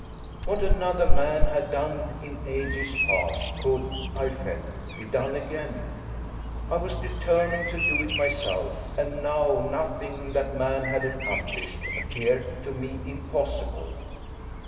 What another man had done in ages past could, I felt, be done again; I was determined to do it myself, and now nothing that man had accomplished appeared to me impossible.